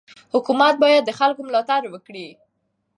حکومت باید د خلکو ملاتړ وکړي.